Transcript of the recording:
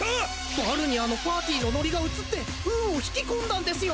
バルニャーのパーティのノリがうつって運を引き込んだんですよ！